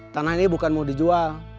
tanah ini bukan mau dijual